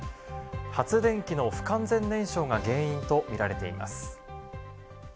発電機の不完全燃焼が原因とみられています。